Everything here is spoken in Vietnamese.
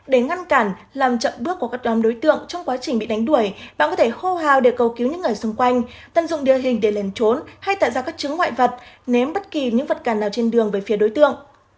để ngăn cản làm chậm bước của các nhóm đối tượng trong quá trình bị đánh đuổi bạn có thể hô hào để cầu cứu những người xung quanh tận dụng địa hình để lẩn trốn hay tạo ra các chứng ngoại vật ném bất kỳ những vật cản nào trên đường về phía đối tượng